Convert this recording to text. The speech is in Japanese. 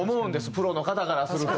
プロの方からすると。